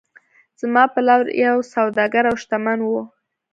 زما پلار یو سوداګر و او شتمن و.